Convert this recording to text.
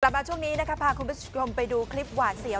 มาช่วงนี้นะครับพาคุณผู้ชมไปดูคลิปหวานเสียว